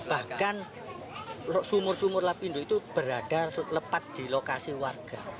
bahkan sumur sumur lapindo itu berada lepas di lokasi warga